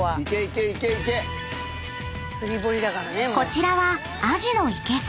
［こちらはアジのいけす］